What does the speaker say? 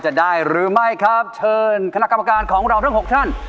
เชิญคณะกรรมการของเราทั้ง๖ท่าน